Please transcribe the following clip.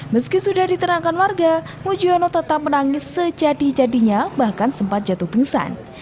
meski sudah diterangkan warga mujiono tetap menangis sejadi jadinya bahkan sempat jatuh pingsan